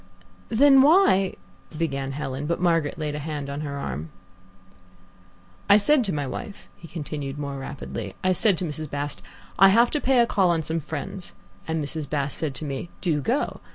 "Then why ?" began Helen, but Margaret laid a hand on her arm. "I said to my wife," he continued more rapidly "I said to Mrs. Bast, 'I have to pay a call on some friends,' and Mrs. Bast said to me, 'Do go.'